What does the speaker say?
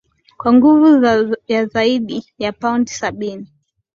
kwa nguvu ya zaidi ya paundi sabini